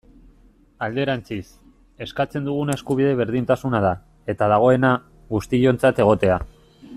Alderantziz, eskatzen duguna eskubide berdintasuna da, eta dagoena, guztiontzat egotea.